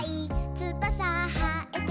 「つばさはえても」